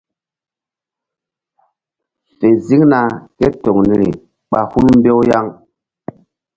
Fe ziŋna ke toŋ niri ɓa hul mbew yaŋ.